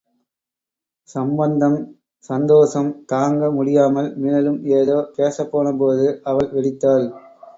சம்பந்தம், சந்தோஷம் தாங்க, முடியாமல் மேலும் ஏதோ பேசப்போனபோது, அவள் வெடித்தாள்.